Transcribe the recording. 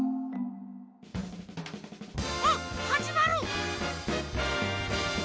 あっはじまる！